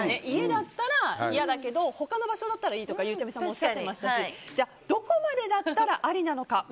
家だったら、いやだけどほかの場所だったらいいとゆうちゃみさんもおっしゃってましたしどこまでだったらありなのか。